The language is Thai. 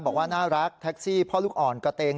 บอกว่าน่ารักแท็กซี่พ่อลูกอ่อนกระเตง